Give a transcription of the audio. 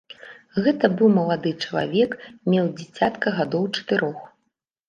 Гэта быў малады чалавек, меў дзіцятка гадоў чатырох.